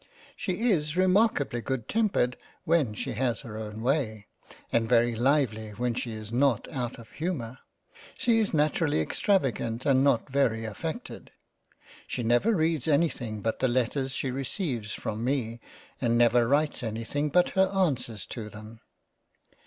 She is remarkably good tempered when she has her own way, and very lively when she is not out of humour. She is naturally extravagant and not very affected ; she never reads anything but the letters she receives from me, and never writes any thing but her answers to them.